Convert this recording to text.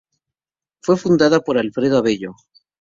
Fue fundada por Alfredo Avello.